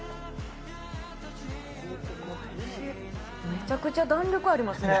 めちゃくちゃ弾力ありますね。